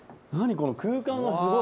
この空間がすごい。